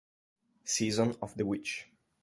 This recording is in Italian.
Season of the Witch